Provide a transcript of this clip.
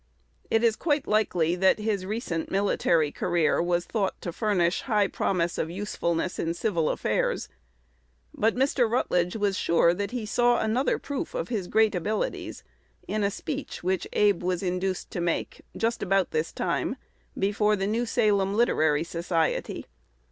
It is quite likely that his recent military career was thought to furnish high promise of usefulness in civil affairs; but Mr. Rutledge was sure that he saw another proof of his great abilities in a speech which Abe was induced to make, just about this time, before the New Salem Literary Society.